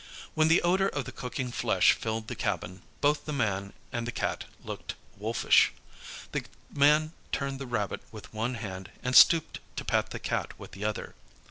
When the odour of the cooking flesh filled the cabin, both the man and the Cat looked wolfish. The man turned the rabbit with one hand and stooped to pat the Cat with the other.